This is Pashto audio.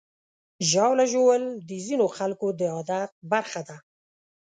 ژاوله ژوول د ځینو خلکو د عادت برخه ده.